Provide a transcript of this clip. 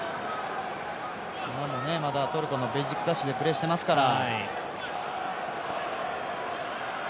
まだトルコのクラブでプレーしていますから。